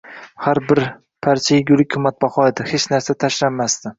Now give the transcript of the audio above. Har bir parcha yegulik qimmatbaho edi, hech narsa tashlanmasdi.